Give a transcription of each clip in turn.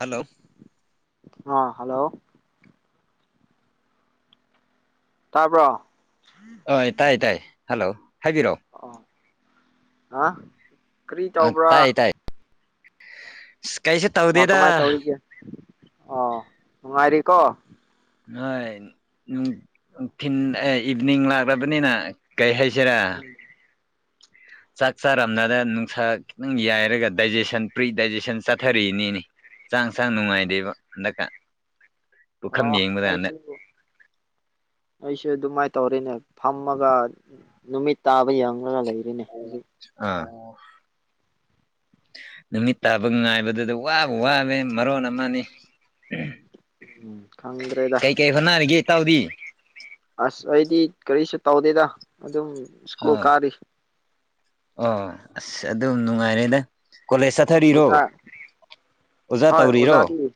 Hello ꯑꯥ hello ꯇꯥꯕ꯭ꯔꯣ ꯑ ꯇꯥꯏ ꯇꯥꯏ ꯍꯜꯂꯣ ꯍꯥꯏꯕꯤꯔꯣ ꯑ ꯍꯥ ꯀꯔꯤ ꯑ ꯇꯧꯕ꯭ꯔꯥ ꯇꯥꯏ ꯇꯥꯏ ꯑꯁ ꯀꯩꯁꯨ ꯇꯧ ꯑꯥ ꯀꯃꯥꯏ ꯇꯧꯔꯤꯒꯦ ꯑꯣ ꯅꯨꯡꯉꯥꯏꯔꯤꯀꯣ ꯍꯣꯏ ꯅꯨꯡ ꯅꯨꯡꯊꯤꯟ ꯏꯚꯅꯤꯡ ꯂꯥꯛꯂꯕꯅꯤꯅ ꯀꯩ ꯍꯥꯏꯁꯤꯔꯥ [inaudible] ꯆꯥꯛ ꯆꯥꯔꯝꯅꯗ ꯅꯨꯡꯁꯥ ꯈꯤꯇꯪ ꯌꯥꯏꯔꯒ ꯗꯥꯏꯖꯦꯁꯟ ꯄ꯭ꯔꯤ ꯗꯥꯏꯖꯦꯁꯟ ꯆꯠꯊꯔꯤꯅꯤꯅꯤ ꯍꯛꯆꯥꯡꯁꯦ ꯌꯥꯝ ꯅꯨꯡꯉꯥꯏꯗꯦꯕ ꯍꯟꯗꯛꯀꯥꯟ ꯑꯣ ꯑꯩꯁꯨ ꯑꯩꯁꯨ ꯑꯗꯨꯃꯥꯏ ꯇꯧꯔꯤꯅꯦ ꯐꯝꯃꯒ ꯅꯨꯃꯤꯠ ꯇꯥꯕ ꯌꯦꯡꯂꯔꯒ ꯂꯩꯔꯤꯅꯦ ꯍꯧꯖꯤꯛ ꯑꯥ ꯅꯨꯃꯤꯠ ꯇꯥꯕ ꯉꯥꯏꯕꯗꯨꯗ ꯋꯥꯕ ꯋꯥꯕꯦ ꯃꯔꯣꯟ ꯑꯃꯅꯤ ꯎꯝ ꯈꯡꯗ꯭ꯔꯦꯗ ꯀꯩ ꯍꯣꯠꯅꯔꯤꯒꯦ ꯏꯇꯥꯎꯗꯤ ꯑꯁ ꯑꯩꯗꯤ ꯀꯔꯤꯁꯨ ꯇꯧꯗꯦꯗ ꯑꯗꯨꯝ ꯁ꯭ꯀꯨꯜ ꯑꯥ ꯀꯥꯔꯤ ꯑꯣ ꯑꯁ ꯑꯗꯨꯝ ꯅꯨꯡꯉꯥꯏꯔꯦꯗ ꯀꯣꯂꯦꯖ ꯆꯠ ꯆꯊꯔꯤꯔꯣ ꯑꯣꯖꯥ ꯑꯣꯖꯥ ꯍꯣꯏ ꯇꯧꯔꯤꯔꯣ ꯑꯣꯖꯥꯗꯤ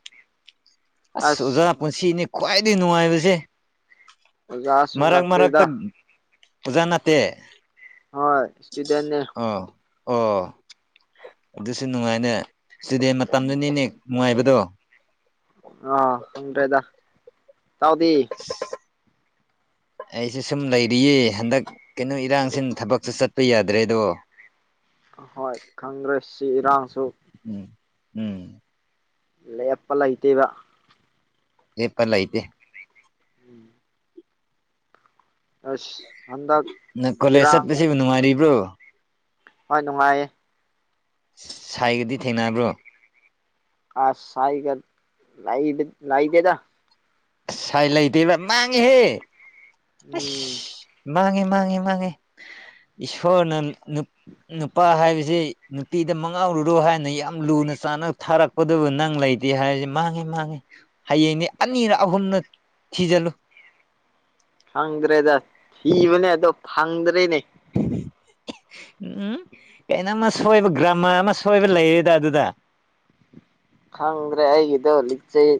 ꯑꯁ ꯑꯣꯖꯥ ꯄꯨꯟꯁꯤꯅꯦ ꯈ꯭ꯋꯥꯏꯗꯒꯤ ꯅꯨꯡꯉꯥꯏꯕꯁꯦ ꯑꯣꯖꯥꯁꯨ ꯃꯔꯛ ꯃꯔꯛꯇ ꯅꯠꯇꯦꯗ ꯑꯣꯖꯥ ꯅꯥꯇꯦ ꯍꯣꯏ ꯏꯁꯇꯨꯗꯦꯟꯅꯦ ꯑꯥ ꯑꯣ ꯑꯗꯨꯁꯨ ꯅꯨꯡꯉꯥꯏꯅꯦ ꯏꯁꯇꯨꯗꯦꯟ ꯃꯇꯝꯗꯨꯅꯤꯅꯦ ꯅꯨꯡꯉꯥꯏꯕꯗꯣ ꯑꯥ ꯈꯪꯗ꯭ꯔꯦꯗ ꯏꯇꯥꯎꯗꯤ ꯑꯩꯁꯦ ꯁꯨꯝ ꯂꯩꯔꯤꯌꯦ ꯍꯟꯗꯛ ꯀꯩꯅꯣ ꯏꯔꯥꯡꯁꯤꯅ ꯊꯕꯛꯁꯨ ꯆꯠꯄ ꯌꯥꯗ꯭ꯔꯦꯗꯣ ꯍꯣꯏ ꯈꯪꯗ꯭ꯔꯦ ꯁꯤ ꯏꯔꯥꯡꯁꯨ ꯎꯝ ꯎꯝ ꯂꯦꯞꯄ ꯂꯩꯇꯦꯕ ꯂꯦꯞꯄ ꯂꯩꯇꯦ ꯎꯝ ꯍꯟꯗꯛ ꯅꯪ ꯀꯣꯂꯦꯖ ꯏꯔꯥꯡꯅ ꯆꯠꯄꯁꯤꯕꯨ ꯅꯨꯡꯉꯥꯏꯔꯤꯕ꯭ꯔꯣ ꯍꯣꯏ ꯅꯨꯡꯉꯥꯏꯌꯦ ꯁꯥꯏꯒꯗꯤ ꯊꯦꯡꯅꯕ꯭ꯔꯣ ꯑꯁ ꯁꯥꯏꯒ ꯂꯩ ꯂꯩꯇꯦꯗ ꯑꯁ ꯁꯥꯏ ꯂꯩꯇꯦꯕ ꯃꯥꯡꯉꯦꯍꯦ ꯎꯝ ꯏꯁ ꯃꯥꯡꯉꯦ ꯃꯥꯥꯡꯉꯦ ꯃꯥꯡꯉꯦ ꯏꯁꯁꯣꯔꯅ ꯅꯨ ꯅꯨꯄꯥ ꯍꯥꯏꯕꯁꯤ ꯅꯨꯄꯤꯗ ꯃꯉꯥꯎꯔꯨꯔꯣ ꯍꯥꯏꯅ ꯌꯥꯝ ꯂꯨꯅ ꯆꯥꯟꯅ ꯊꯥꯔꯛ ꯑꯗꯨꯕꯨ ꯅꯪ ꯂꯩꯇꯦ ꯍꯥꯏꯔꯤꯁꯤ ꯃꯥꯡꯉꯤ ꯃꯥꯡꯉꯤ ꯍꯌꯦꯡꯅꯤ ꯑꯅꯤꯔ ꯑꯍꯨꯝꯂꯥ ꯊꯤꯖꯤꯜꯂꯨ ꯐꯪꯗ꯭ꯔꯦꯗ ꯊꯤꯕꯅꯦ ꯑꯗꯣ ꯐꯪꯗ꯭ꯔꯦꯅꯦ ꯎꯝ ꯀꯩꯅꯣꯝꯃ ꯁꯣꯏꯕ ꯒ꯭ꯔꯃꯥ ꯑꯃ ꯁꯣꯏꯕ ꯂꯩꯌꯦꯗ ꯑꯗꯨꯗ ꯈꯪꯗ꯭ꯔꯦ ꯑꯩꯒꯤꯗꯣ ꯂꯤꯆꯩ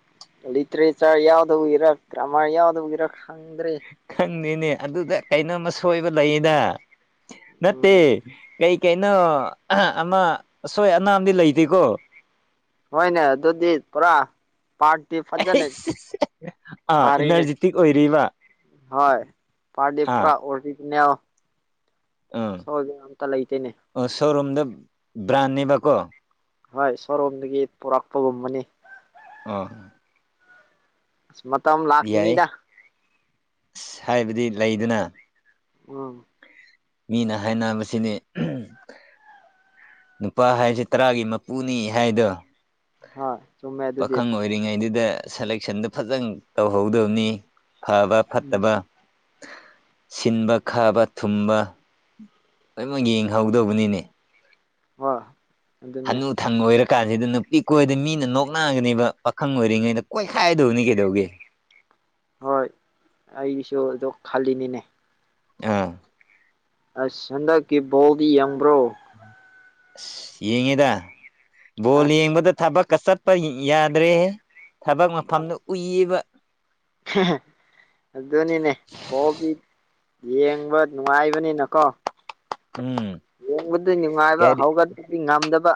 ꯂꯤꯇꯔꯦꯆꯔ ꯌꯥꯎꯗꯕꯒꯤꯔꯛ ꯒ꯭ꯔꯥꯃꯥꯔ ꯌꯥꯎꯗꯕꯒꯤꯔꯥ ꯈꯪꯗ꯭ꯔꯦ ꯈꯪꯗꯦꯅꯦ ꯑꯗꯨꯗ ꯀꯩꯅꯣꯝꯃ ꯁꯣꯏꯕ ꯂꯩꯌꯦꯗ ꯅꯠꯇꯦ ꯎꯝ ꯀꯩ ꯀꯩꯅꯣ ꯑꯍꯥ ꯑꯃ ꯑꯁꯣꯏ ꯑꯅꯥꯝꯗꯤ ꯂꯩꯇꯦꯀꯣ ꯍꯣꯏꯅꯦ ꯑꯗꯨꯗꯤ ꯄꯨꯔꯥ ꯄꯥꯔꯠꯇꯤ ꯐꯖꯅ ꯑꯩꯁ ꯑꯥ ꯐꯔꯤꯅꯦ ꯏꯅꯔꯖꯤꯇꯤꯛ ꯑꯣꯏꯔꯤꯕ ꯍꯣꯏ ꯄꯥꯔꯗꯤ ꯑꯥ ꯄꯨꯔꯥ ꯑꯣꯔꯗꯤꯅꯦꯜ ꯁꯣꯏꯕ ꯑꯝꯇ ꯂꯩꯇꯦꯅꯦ ꯑꯣ ꯁꯣꯔꯨꯝꯗ ꯕ꯭ꯔꯥꯟꯅꯦꯕꯀꯣ ꯍꯣꯏ ꯁꯣꯔꯣꯝꯗꯒꯤ ꯄꯨꯔꯛꯄꯒꯨꯝꯕꯅꯤ ꯑꯥ ꯑꯁ ꯃꯇꯝ ꯌꯥꯏ ꯂꯥꯛꯈꯤꯅꯤꯗ ꯑꯁ ꯍꯥꯏꯕꯗꯤ ꯂꯩꯗꯅ ꯎꯝ ꯃꯤꯅ ꯍꯥꯏꯅꯕꯁꯤꯅꯦ ꯑꯍꯝ ꯅꯨꯄꯥ ꯍꯥꯏꯁꯦ ꯇꯔꯥꯒꯤ ꯃꯄꯨꯅꯤ ꯍꯥꯏꯗꯣ ꯍꯣꯏ ꯆꯨꯝꯃꯦ ꯑꯗꯨꯗꯤ ꯄꯥꯈꯪ ꯑꯣꯏꯔꯤꯉꯩꯗꯨꯗ ꯁꯦꯂꯦꯛꯁꯟꯗꯣ ꯐꯖꯅ ꯇꯧꯍꯧꯗꯧꯅꯤ ꯐꯕ ꯎꯝ ꯐꯠꯇꯕ ꯁꯤꯟꯕ ꯈꯥꯕ ꯊꯨꯝꯕ ꯂꯣꯏꯃꯛ ꯌꯦꯡꯍꯧꯗꯧꯕꯅꯤꯅꯦ ꯍꯣꯏ ꯑꯗꯨꯅꯦ ꯍꯅꯨ ꯊꯪ ꯑꯣꯏꯔꯀꯥꯟꯁꯤꯗ ꯅꯨꯄꯤꯛ ꯀꯣꯏꯗ ꯃꯤꯅ ꯅꯣꯛꯅꯒꯅꯦꯕ ꯄꯥꯈꯪ ꯑꯣꯏꯔꯤꯉꯩꯗ ꯀꯣꯏꯈꯥꯏꯗꯧꯅꯤ ꯀꯩꯗꯧꯒꯦ ꯍꯣꯏ ꯑꯩꯁꯨ ꯑꯗꯨ ꯈꯜꯂꯤꯅꯤꯅꯦ ꯑꯥ ꯑꯁ ꯍꯟꯗꯛꯀꯤ ꯕꯣꯜꯗꯤ ꯌꯦꯡꯕ꯭ꯔꯣ ꯑꯁ ꯌꯦꯡꯉꯦꯗ ꯕꯣꯜ ꯑꯁ ꯌꯦꯡꯕꯗ ꯊꯕꯛꯀ ꯆꯠꯄ ꯌꯥ- ꯌꯥꯗ꯭ꯔꯦꯍꯦ ꯊꯕꯛ ꯃꯐꯝꯗ ꯎꯏꯌꯦꯕ ꯑꯗꯨꯅꯤꯅꯦ ꯕꯣꯛꯀꯤ ꯌꯦꯡꯕ ꯅꯨꯡꯉꯥꯏꯕꯅꯤꯅꯀꯣ ꯎꯝ ꯌꯦꯡꯕꯗꯤ ꯅꯨꯡꯉꯥꯏꯕ ꯀꯔꯤ ꯍꯧꯒꯠꯕꯗꯤ ꯉꯝꯗꯕ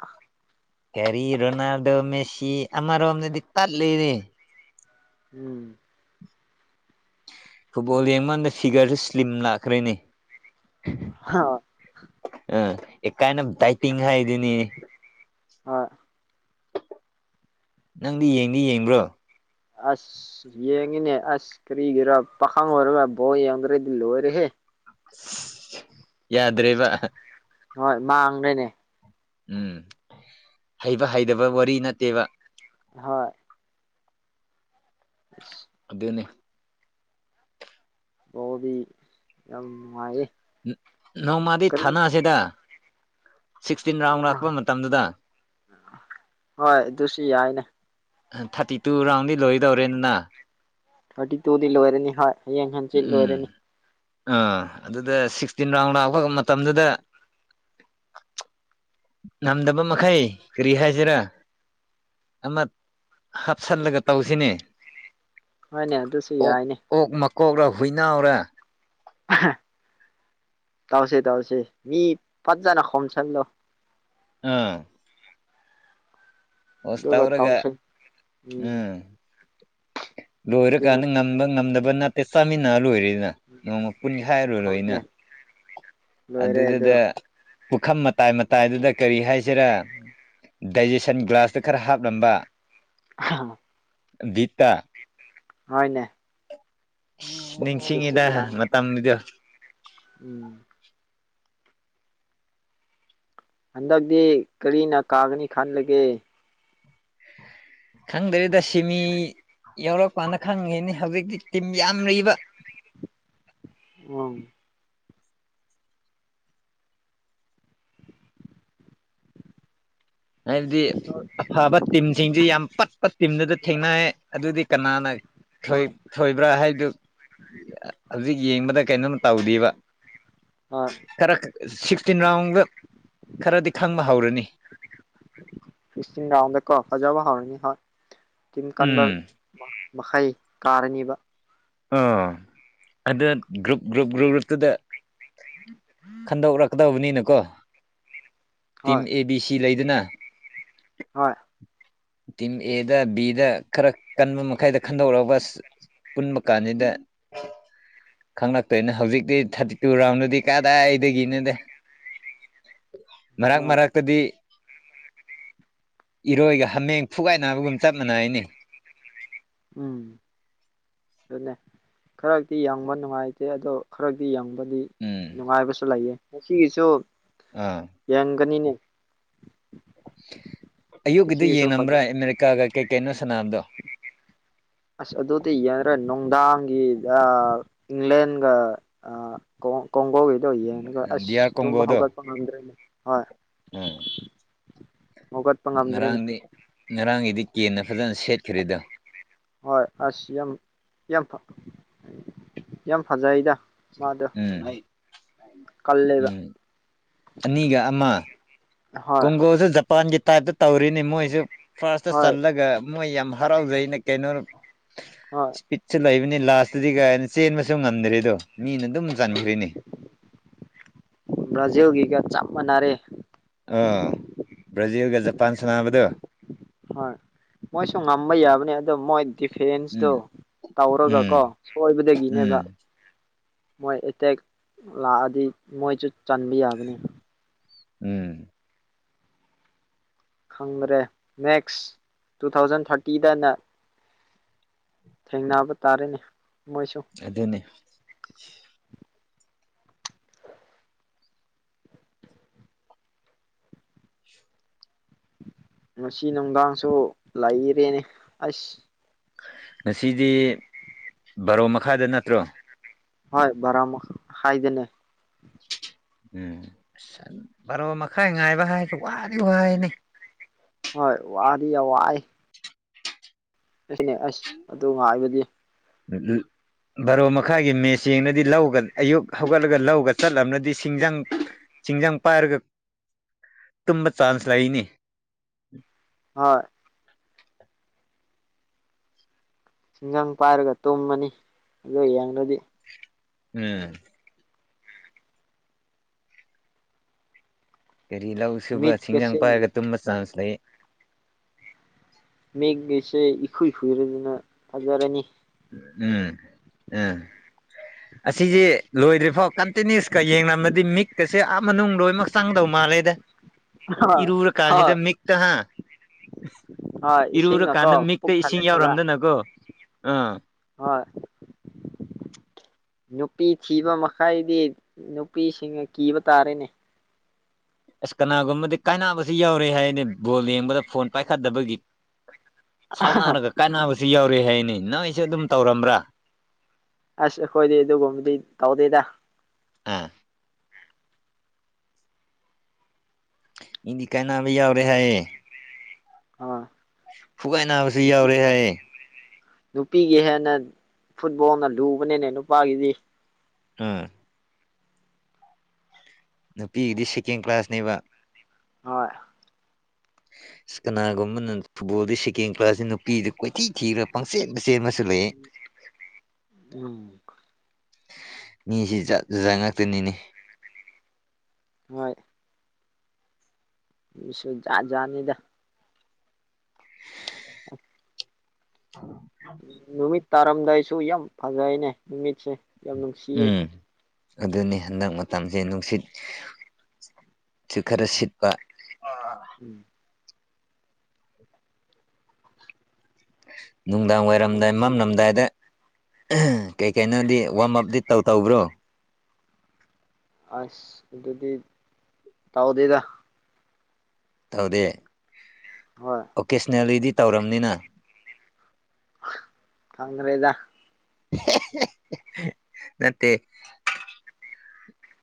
ꯀꯦꯔꯤ ꯔꯣꯅꯥꯜꯗꯣ ꯃꯦꯁꯤ ꯑꯃꯔꯣꯝꯗꯗꯤ ꯇꯜꯂꯤꯅꯦ ꯎꯝ ꯐꯨꯠꯕꯣꯜ ꯌꯦꯡꯉꯀꯥꯟꯗ ꯐꯤꯒꯔꯁꯨ ꯁ꯭ꯂꯤꯝ ꯂꯥꯛꯈ꯭ꯔꯦꯅꯦ ꯍ ꯑ ꯑꯦ ꯀꯥꯏꯟ ꯑꯣꯐ ꯇꯥꯏꯇꯤꯡ ꯍꯥꯏꯗꯅꯤꯅꯦ ꯑ ꯅꯪꯗꯤ ꯌꯦꯡꯗꯤ ꯌꯦꯡꯕ꯭ꯔꯣ ꯑꯁ ꯌꯦꯡꯉꯤꯅꯦ ꯑꯁ ꯀꯔꯤꯒꯤꯔꯣ ꯄꯥꯈꯪ ꯑꯣꯏꯔꯒ ꯕꯣ ꯌꯦꯡꯈ꯭ꯔꯗꯤ ꯂꯣꯏꯔꯦꯍꯦ ꯑꯁ ꯌꯥꯗ꯭ꯔꯦꯕ ꯍꯣꯏ ꯃꯥꯡꯒ꯭ꯔꯦꯅꯦ ꯎꯝ ꯍꯩꯕ ꯍꯩꯇꯕ ꯋꯥꯔꯤ ꯅꯠꯇꯦꯕ ꯍꯣꯏ ꯑ ꯑꯗꯨꯅꯤ ꯑꯣꯗꯤ ꯌꯥꯝ ꯅꯨꯡꯉꯥꯏꯌꯦ ꯅ -ꯅꯣꯡꯃꯗꯤ ꯀꯔꯤ ꯊꯥꯅꯁꯦꯗ ꯁꯤꯛꯁꯇꯤꯟ ꯔꯥꯎꯟ ꯂꯥꯛꯄ ꯃꯇꯝꯗꯨꯗ ꯍꯣꯏ ꯑꯗꯨꯁꯨ ꯌꯥꯏꯅꯦ ꯊꯥꯔꯇꯤ ꯇꯨ ꯔꯥꯎꯟꯗꯤ ꯂꯣꯏꯗꯧꯔꯦꯅꯅ ꯊꯥꯔꯇꯤ ꯇꯨꯗꯤ ꯂꯣꯏꯔꯅꯤ ꯍꯣꯏ ꯍꯌꯦꯡ ꯍꯪꯆꯤꯠ ꯎꯝ ꯂꯣꯏꯔꯅꯤ ꯑꯥ ꯑꯗꯨꯗ ꯁꯤꯛꯁꯇꯤꯟ ꯔꯥꯎꯟ ꯂꯥꯛꯈ ꯃꯇꯝꯗꯨꯗ ꯉꯝꯗꯕ ꯃꯈꯩ ꯀꯔꯤ ꯍꯥꯏꯁꯤꯔꯥ ꯑꯃ ꯍꯥꯞꯆꯜꯂꯒ ꯇꯧꯁꯤꯅꯦ ꯃꯥꯅꯦ ꯑꯗꯨꯁꯨ ꯑꯣꯛ ꯌꯥꯏꯅꯦ ꯑꯣꯛ ꯃꯀꯣꯛꯂ ꯍꯨꯏꯅꯥꯎꯔ ꯍꯥ ꯇꯧꯁꯦ ꯇꯧꯁꯦ ꯃꯤ ꯐꯖꯅ ꯈꯣꯝꯁꯜꯂꯣ ꯑꯥ ꯍꯁ ꯑꯗꯨꯒ ꯇꯧꯔꯒ ꯇꯧꯁꯤ ꯎꯝ ꯑꯗꯨꯅ ꯂꯣꯏꯔꯀꯥꯟꯗ ꯉꯝꯕ ꯉꯝꯗꯕ ꯅꯠꯇꯦ ꯆꯥꯃꯤꯟꯅꯔ ꯂꯣꯏꯔꯦꯗꯅ ꯅꯣꯡꯃ ꯄꯨꯨꯟꯈꯥꯏꯔꯨꯔꯣꯏ ꯍꯣꯏꯅꯦ ꯂꯣꯏꯔꯦ ꯑꯗꯨ ꯑꯗꯨꯗꯨꯗ ꯄꯨꯈꯝ ꯃꯇꯥꯏ ꯃꯇꯥꯏꯗꯨꯗ ꯀꯔꯤ ꯍꯥꯏꯁꯤꯔꯥ ꯗꯥꯏꯖꯦꯁꯟ ꯒ꯭ꯂꯥꯁ ꯈꯔ ꯍꯥꯞꯂꯝꯕ ꯍ [unintelligible] ꯕꯤꯠꯇꯥ ꯍꯣꯏꯅꯦ ꯑꯗꯨꯁꯨ ꯅꯤꯡꯁꯤꯡꯉꯤꯗ ꯌꯥꯏ ꯃꯇꯝꯗꯨꯗ ꯎꯝ ꯍꯟꯗꯛꯇꯤ ꯀꯔꯤꯅ ꯀꯥꯒꯅꯤ ꯈꯜꯂꯒꯦ ꯈꯪꯗ꯭ꯔꯤꯗ ꯁꯤꯃꯤ ꯌꯥꯎꯔꯛꯄꯀꯥꯟ ꯈꯪꯒꯅꯤ ꯍꯧꯖꯤꯛꯇꯤ ꯇꯤꯝ ꯌꯥꯝ ꯂꯩꯕ ꯎꯝ ꯍꯥꯏꯕꯗꯤ ꯑꯐꯕ ꯇꯤꯝꯁꯤꯡꯁꯤ ꯌꯥꯝ ꯄꯠꯄ ꯇꯤꯝꯗꯨꯗ ꯊꯦꯡꯅꯩ ꯑꯗꯨꯗꯤ ꯀꯅꯥꯅ ꯊꯣꯏ ꯍꯣꯏ ꯊꯣꯏꯕ꯭ꯔꯥ ꯍꯥꯏꯕꯗꯨ ꯍꯧꯖꯤꯛ ꯌꯦꯡꯕꯗ ꯀꯩꯅꯣꯝ ꯇꯧꯗꯦꯕ ꯍꯣꯏ ꯈꯔ ꯁꯤꯛꯁꯇꯤꯟ ꯔꯥꯎꯟꯒ ꯈꯔꯗꯤ ꯈꯪꯕ ꯍꯧꯔꯅꯤ ꯁꯤꯛꯁꯇꯤꯟ ꯔꯤꯎꯟꯗꯀꯣ ꯐꯖꯕ ꯍꯧꯔꯅꯤ ꯍꯣꯢ ꯀꯥꯟꯕ ꯎꯝ ꯃꯈꯩ ꯀꯥꯔꯅꯤꯕ ꯑꯥ ꯑꯗꯨ ꯒ꯭ꯔꯨꯞ ꯒ꯭ꯔꯨꯞ ꯒ꯭ꯔꯨꯞ ꯒ꯭ꯔꯨꯞꯇꯨꯗ ꯈꯟꯗꯣꯛꯔꯛ ꯇꯧꯕꯅꯤꯅꯀꯣ ꯇꯤꯝ ꯍꯣꯏ ꯑꯦ ꯕꯤ ꯁꯤ ꯂꯩꯗꯅ ꯍꯣꯏ ꯇꯤꯝ ꯑꯦꯗ ꯕꯤꯗ ꯈꯔ ꯀꯟꯕ ꯃꯈꯩꯗ ꯈꯟꯗꯣꯛꯔꯒ ꯀꯅꯤꯗ ꯈꯪꯂꯛꯇꯣꯏꯅ ꯍꯧꯖꯤꯛꯇꯤ ꯊꯥꯔꯇꯤꯇꯨ ꯔꯥꯎꯟꯗꯗꯤ ꯀꯥꯗꯥꯏꯗꯒꯤꯅꯣꯗ ꯃꯔꯛ ꯍꯣꯏ ꯃꯔꯛꯇꯗꯤ ꯏꯔꯣꯏꯒ ꯍꯥꯃꯦꯡ ꯐꯨꯒꯥꯏꯅꯕꯒꯨꯝ ꯆꯞ ꯃꯥꯟꯅꯩꯅꯤ ꯎꯝ ꯑꯗꯨꯅꯦ ꯈꯔꯗꯤ ꯌꯦꯡꯕ ꯅꯨꯡꯉꯥꯏꯇꯦ ꯑꯗꯣ ꯈꯔꯗꯤ ꯌꯦꯡꯕ ꯗꯤ ꯎꯝ ꯅꯨꯡꯉꯥꯏꯕꯁꯨ ꯂꯩꯌꯦ ꯉꯁꯤꯒꯤꯁꯨ ꯑꯥ ꯌꯦꯡꯒꯅꯤꯅꯦ ꯑꯌꯨꯛꯀꯤꯗꯨ ꯉꯁꯤꯒꯤꯁꯨ ꯐꯖ ꯌꯦꯡꯉꯝꯕ꯭ꯔꯥ ꯑꯃꯦꯔꯤꯀꯥꯒ ꯀꯩ ꯀꯩꯅꯣ ꯁꯥꯟꯅꯕꯗꯣ ꯑꯁ ꯑꯗꯨꯗꯤ ꯌꯦꯡꯗ꯭ꯔꯦ ꯅꯨꯡꯗꯥꯡꯒꯤ ꯑꯥ ꯏꯪꯂꯦꯟꯒ ꯑꯥ ꯀꯣꯡꯒꯣꯒꯤꯗꯣ ꯗꯤ ꯑꯥꯔ ꯑꯁ ꯇꯨꯝꯕ ꯍꯧꯒꯠꯄ ꯉꯝꯗ꯭ꯔꯦ ꯍꯣꯏ ꯑꯝ [unintelligible] ꯍꯧꯒꯠꯄ ꯉꯝꯗ꯭ꯔꯤꯅꯦ ꯉꯔꯥꯡꯗꯤ ꯉꯔꯥꯡꯒꯤꯗꯤ ꯀꯦꯟꯅ ꯐꯖꯅ ꯁꯦꯠꯈ꯭ꯔꯦꯗꯣ ꯍꯣꯏ ꯑꯁ ꯌꯥꯝ ꯌꯥꯝ ꯌꯥꯝ ꯐꯖꯩꯗ ꯃꯥꯗꯣ ꯎꯝ ꯀꯜꯂꯦꯕ ꯎꯝ ꯑꯅꯤꯒ ꯑꯃ ꯍꯣꯏ ꯀꯣꯡꯒꯣꯁꯨ ꯖꯄꯥꯟꯒꯤ ꯇꯥꯏꯞꯇ ꯇꯧꯔꯦꯅꯦ ꯃꯣꯏꯁꯨ ꯐꯥꯔꯁꯇ ꯍꯣꯏ ꯆꯜꯂꯒ ꯃꯣꯏ ꯌꯥꯝ ꯍꯔꯥꯎꯖꯩꯩꯅ ꯀꯩꯅꯣ ꯍꯣꯏ ꯕꯤꯠꯁꯨ ꯂꯩꯕꯅꯤ ꯂꯥꯁꯇꯗꯤ ꯀꯥꯏꯅ ꯆꯦꯟꯕꯁꯨ ꯉꯝꯗ꯭ꯔꯦ ꯑꯗꯣ ꯃꯤꯅ ꯑꯗꯨꯝ ꯆꯟꯕꯤꯈ꯭ꯔꯤꯅꯦ ꯕ꯭ꯔꯥꯖꯤꯜꯒꯤꯒ ꯆꯞ ꯃꯥꯅꯔꯦ ꯑꯥ ꯕ꯭ꯔꯥꯖꯤꯜꯒ ꯖꯄꯥꯟ ꯁꯥꯟꯅꯕꯗꯣ ꯍꯣꯏ ꯃꯣꯏꯁꯨ ꯉꯝꯕ ꯌꯥꯕꯅꯤ ꯑꯗꯣ ꯃꯣꯏ ꯗꯤꯐꯦꯟꯁꯇꯣ ꯎꯝ ꯇꯧꯔꯒ ꯀꯣ ꯎꯝ ꯁꯣꯏꯕꯗꯒꯤꯅꯦꯕ ꯎꯝ ꯃꯣꯏ ꯑꯦꯇꯦꯛ ꯂꯥꯛꯑꯗꯤ ꯃꯣꯏꯁꯨ ꯆꯟꯕ ꯌꯥꯕꯅꯤ ꯎꯝ ꯈꯪꯗ꯭ꯔꯦ ꯅꯦꯛꯁ ꯇꯨ ꯊꯥꯎꯖꯟ ꯊꯥꯔꯇꯤꯗꯅ ꯊꯦꯡꯅꯕ ꯇꯥꯔꯦꯅꯦ ꯃꯣꯏꯁꯨ ꯑꯗꯨꯅꯤ ꯉꯁꯤ ꯅꯨꯡꯗꯥꯡꯁꯨ ꯂꯩꯔꯦꯅꯦ ꯑꯁ ꯉꯁꯤꯗꯤ ꯕꯥꯔꯣ ꯃꯈꯥꯗ ꯅꯠꯇ꯭ꯔꯣ ꯍꯣꯏ ꯕꯥꯔꯣ ꯃꯈꯥꯏꯗꯅꯦ꯫ ꯎꯝ ꯕꯔꯣ ꯃꯈꯥꯏ ꯉꯥꯏꯕ ꯍꯥꯏꯕꯁꯤ ꯋꯥꯗꯤ ꯋꯥꯌꯦꯅꯦ꯫ ꯍꯣꯏ ꯋꯥꯔꯤ ꯌꯥꯝ ꯋꯥꯏ꯫ ꯑꯩꯁꯨꯅꯦ ꯑꯁ ꯑꯗꯨ ꯉꯥꯏꯕꯗꯤ꯫ [unintelligible] ꯕꯥꯔꯣ ꯃꯈꯥꯏꯒꯤ ꯃꯦꯁ ꯌꯦꯡꯅꯗꯤ ꯂꯧꯒ ꯑꯌꯨꯛ ꯍꯧꯒꯠꯂꯒ ꯂꯧꯒ ꯆꯠꯂꯝꯂꯗꯤ ꯁꯤꯡꯖꯪ ꯆꯤꯡꯖꯪ ꯄꯥꯏꯔꯒ ꯇꯨꯝꯕ ꯆꯥꯟꯁ ꯂꯩꯅꯤ꯫ ꯍꯣꯏ꯫ ꯁꯤꯡ ꯖꯪ ꯄꯥꯏꯔꯒ ꯇꯨꯝꯃꯅꯤ ꯑꯗꯨ ꯌꯦꯡꯂꯗꯤ꯫ ꯎꯝ꯫ ꯀꯔꯤ ꯂꯧ ꯁꯨꯕ ꯃꯤꯠꯀꯁꯦ ꯁꯤꯡꯖꯪꯡ ꯄꯥꯏꯔꯒ ꯇꯨꯝꯕ ꯆꯥꯟꯁ ꯂꯩꯌꯦ꯫ ꯃꯦꯒꯤꯁꯦ ꯏꯈꯨꯏ ꯈꯨꯏꯔꯗꯅ ꯐꯖꯔꯥꯅꯤ꯫ ꯎꯝ ꯑꯥ꫰꫰ [inaudible] ꯑꯁꯤꯁꯦ ꯂꯣꯏꯗ꯭ꯔꯤꯐꯥꯎ ꯀꯟꯇꯤꯅ꯭ꯌꯨꯁꯀ ꯌꯦꯡꯂꯝꯃꯗꯤ ꯃꯤꯠꯀꯁꯦ ꯑꯥ ꯃꯅꯨꯡ ꯂꯣꯏꯅꯃꯛ ꯆꯪꯗꯧ ꯃꯥꯜꯂꯦꯗ꯫ ꯍꯣꯏ ꯏꯔꯨꯔ ꯍꯣꯏ ꯀꯥꯥꯟꯁꯤꯗ ꯃꯤꯛꯇ ꯍꯥ꯫ ꯍꯣꯏ ꯏꯁꯤꯡꯅꯀꯣ ꯏꯔꯨꯔꯀꯥꯟꯗ ꯃꯤꯛꯇ ꯄꯨꯛ ꯏꯁꯤꯡ ꯊꯜꯂꯅꯤꯕ ꯌꯥꯎꯔꯝꯗꯅꯀꯣ ꯑꯥ꯫ ꯍꯣꯏ꯫ ꯅꯨꯄꯤ ꯊꯤꯕ ꯃꯈꯩꯗꯤ ꯅꯨꯄꯤꯁꯤꯡꯅ ꯀꯤꯕ ꯇꯥꯔꯦꯅꯦ꯫ ꯑꯁ ꯀꯅꯥꯒꯨꯝꯕꯗꯤ ꯀꯥꯏꯅꯕꯁꯨ ꯌꯥꯎꯔꯦ ꯍꯥꯏꯅꯦ ꯕꯣꯜ ꯌꯦꯡꯕꯗ ꯐꯣꯟ ꯄꯥꯏꯈꯠꯇꯕꯒꯤ꯫ ꯁꯥꯎꯅꯔꯒ ꯀꯥꯏꯅꯕꯁꯨ ꯌꯥꯎꯔꯦ ꯍꯥꯏꯅꯦ ꯅꯣꯏꯁꯨ ꯑꯗꯨꯝ ꯇꯧꯔꯝꯕ꯭ꯔꯥ꯫ ꯑꯁ ꯑꯩꯈꯣꯏꯗꯤ ꯑꯗꯨꯒꯨꯝꯕꯗꯤ ꯇꯧꯗꯦꯗ꯫ ꯑꯥ꯫ ꯃꯤꯗꯤ ꯀꯥꯅꯕ ꯌꯥꯎꯔꯦ ꯍꯥꯏꯌꯦ꯫ ꯑꯥ꯫ ꯐꯨꯒꯥꯏ ꯅꯥꯕꯁꯨ ꯅꯨꯄꯤ ꯌꯥꯎꯔꯦ ꯍꯥꯏꯌꯦ꯫ ꯅꯨꯄꯤꯒꯤ ꯍꯦꯟꯅ ꯐꯨꯠꯕꯣꯜꯅ ꯂꯨꯕꯅꯤꯅꯦ ꯅꯨꯄꯥꯒꯤꯗꯤ꯫ ꯍꯣꯏ꯫ ꯅꯨꯄꯤꯒꯤꯗꯤ ꯁꯦꯀꯦꯟ ꯀ꯭ꯂꯥꯁꯅꯦꯕ꯫ ꯍꯣꯏ꯫ [unintelligible] [inaudible] ꯑꯁ ꯀꯅꯥꯒꯨꯝꯕꯅ ꯐꯨꯠꯕꯣꯜꯗ ꯁꯦꯀꯦꯟ ꯀ꯭ꯂꯥꯁꯁꯤ ꯅꯨꯄꯤꯗ ꯀꯣꯏꯊꯤ ꯊꯤꯈ꯭ꯔ ꯄꯪꯆꯦꯟꯗ ꯆꯦꯟꯕꯁꯨ ꯂꯩꯌꯦ꯫ [inaudible] ꯎꯝ꯫ ꯃꯤꯁꯤ ꯖꯥꯠ ꯖꯥꯠ ꯉꯥꯛꯇꯅꯤꯅꯦ꯫ ꯍꯣꯏ꯫ ꯃꯤꯁꯨ ꯖꯥꯠ ꯖꯥꯠꯅꯤꯗ꯫ [unintelligible] ꯅꯨꯃꯤꯠ ꯇꯥꯔꯝꯗꯥꯏꯁꯨ ꯌꯥꯝ ꯐꯖꯩꯅꯦ ꯅꯨꯃꯤꯠꯁꯦ꯫ ꯌꯥꯝ ꯅꯨꯡꯁꯤꯌꯦ ꯎꯝ꯫ ꯑꯗꯨꯅꯤ ꯍꯟꯗꯛ ꯃꯇꯝꯁꯦ ꯅꯨꯡꯁꯤꯠ ꯁꯨ ꯈꯔ ꯁꯤꯠꯄ꯫ ꯎꯝ꯫ ꯅꯨꯡꯗꯥꯡ ꯌꯥꯝ ꯋꯥꯏꯔꯝꯗ ꯅꯨꯡꯁꯤ ꯃꯝꯂꯝꯗꯥꯏꯗ ꯀꯩ ꯀꯩꯅꯣꯗꯤ ꯋꯥꯔꯝ ꯑꯞꯇꯗꯤ ꯇꯧ ꯇꯧꯕ꯭ꯔꯣ꯫ ꯑꯁ ꯑꯗꯨꯗꯤ ꯇꯧꯗꯦꯗ꯫ ꯇꯧꯗꯦ꯫ ꯍꯣꯏ꯫ ꯑꯣꯀꯦꯁꯅꯦꯜꯂꯤꯗꯤ ꯇꯧꯔꯝꯅꯤꯅ꯫ ꯈꯪꯗꯔꯦꯗ꯫ ꯅꯠꯇꯦ꯫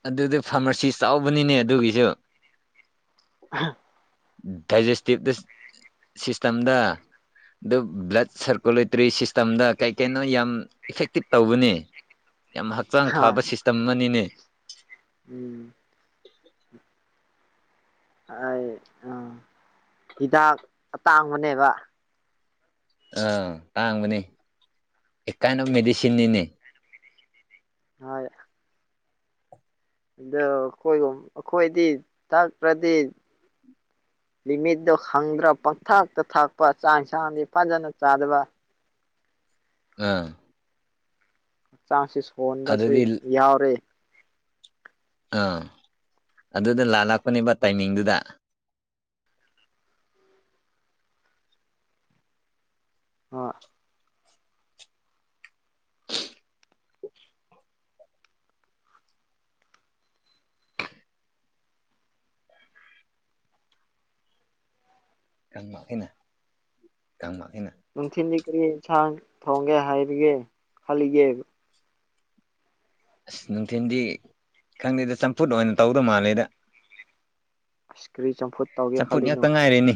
ꯑꯗꯨꯗꯤ ꯐꯥꯔꯃꯥꯁꯤ ꯆꯥꯎꯕꯅꯤꯅꯦ ꯑꯗꯨꯒꯤꯁꯨ꯫ [unintelligible] [inaudible] ꯗꯥꯏꯖꯦꯁꯇꯤꯚ [unintelligible] [inaudible] ꯁꯤꯁꯇꯦꯝꯗ ꯑꯗꯨ ꯕ꯭ꯂꯠ ꯁꯔꯀꯨꯂꯦꯇꯔꯤ ꯁꯤꯁꯇꯝꯗ ꯀꯩ ꯀꯩꯅꯣ ꯌꯥꯝ ꯏꯐꯦꯛꯇꯤꯞ ꯇꯧꯕꯅꯤ ꯌꯥꯝ ꯍꯛꯆꯥꯡ ꯍꯣꯏ ꯐꯕ ꯁꯤꯁꯇꯝ ꯑꯃꯅꯤꯅꯦ ꯎꯝ [unintelligible] [inaudible] ꯑꯩ ꯎꯥ ꯍꯤꯗꯥꯛ ꯑꯇꯥꯡꯕꯅꯦꯕ ꯑꯥ ꯇꯥꯡꯕꯅꯤ ꯑꯦ ꯀꯥꯏꯟ ꯑꯣꯐ ꯃꯦꯗꯤꯁꯤꯟꯅꯤꯅꯦ ꯍꯣꯏ ꯑꯗꯣ ꯑꯩꯈꯣꯏꯒꯨꯝ ꯑꯩꯈꯣꯏꯗꯤ ꯇꯥꯛꯇ꯭ꯔꯗꯤ ꯂꯤꯃꯤꯠꯇꯠꯇꯣ ꯈꯪꯗ꯭ꯔꯥ ꯄꯪꯊꯥꯛꯇ ꯊꯥꯛꯄ ꯆꯥꯡꯁꯥꯡꯗꯤ ꯐꯖꯅ ꯆꯥꯗꯕ ꯎꯝ [unintelligible] [inaudible] ꯍꯛꯆꯥꯡꯁ ꯁꯣꯟꯍꯕꯁꯨ ꯑꯗꯨꯗꯤ ꯌꯥꯎꯔꯦ ꯑꯥ ꯑꯗꯨꯗ ꯂꯥꯂꯥꯛꯄꯅꯦꯕ ꯇꯥꯏꯃꯤꯡꯗꯨꯗ ꯑ [unintelligible] [inaudible] ꯉꯥꯡꯃꯈꯩꯩꯅ [unintelligible] ꯀꯥꯡꯃꯈꯅ [unintelligible] ꯅꯨꯡꯊꯤꯟꯜꯗꯤ ꯀꯔꯤ ꯌꯦꯟꯁꯥꯡ ꯊꯣꯡꯒꯦ ꯍꯥꯏꯔꯤꯒꯦ ꯈꯜꯂꯤꯒꯦ ꯑꯁ ꯅꯨꯡꯊꯤꯜꯗꯤ ꯈꯪꯗꯦꯗ ꯆꯝꯐꯨꯠ ꯑꯣꯏꯅ ꯇꯧꯗꯣꯕ ꯃꯥꯜꯂꯦꯗ ꯑꯁ ꯀꯔꯤ ꯆꯝꯐꯨꯠ ꯇꯧꯒꯦ ꯆꯝꯐꯨꯠ ꯈꯜꯂꯤꯅꯣ ꯉꯥꯛꯇ ꯉꯥꯏꯔꯦꯅꯤ